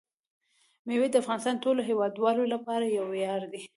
مېوې د افغانستان د ټولو هیوادوالو لپاره یو ویاړ دی.